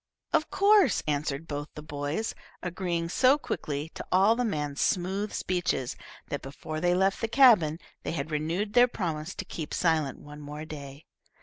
"Of course," answered both the boys, agreeing so quickly to all the man's smooth speeches that, before they left the cabin, they had renewed their promise to keep silent one more day.